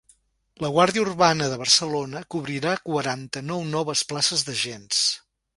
La guàrdia urbana de Barcelona cobrirà quaranta-nou noves places d’agents.